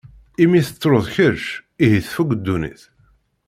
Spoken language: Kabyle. Imi tettruḍ kečč, ihi tfuk ddunit.